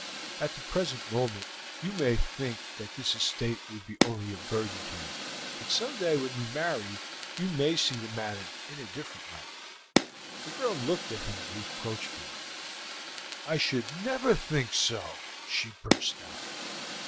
At the present moment you may think that this estate would be only a burden to you, but some day when you marry you might see the matter in a different light." The girl looked at him reproachfully. "I should never think so!" she burst out.